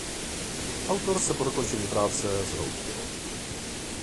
Autor se po dokončení práce zhroutil.